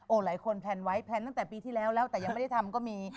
หลายคนแพลนไว้แพลนตั้งแต่ปีที่แล้วแล้วแต่ยังไม่ได้ทำก็มี